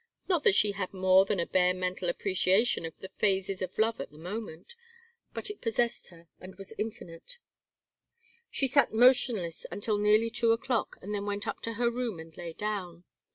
Not that she had more than a bare mental appreciation of the phases of love at the moment; but it possessed her and it was infinite. She sat motionless until nearly two o'clock and then went up to her room and lay down.